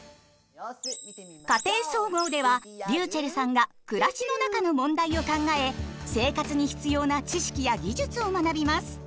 「家庭総合」ではｒｙｕｃｈｅｌｌさんが暮らしの中の問題を考え生活に必要な知識や技術を学びます。